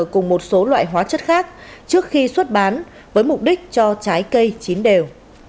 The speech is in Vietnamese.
cùng một số loại hóa chất khác trước khi xuất bán với mục đích cho trái cây chín đều